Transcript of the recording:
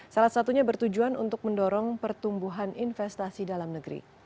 salah satunya bertujuan untuk mendorong pertumbuhan investasi dalam negeri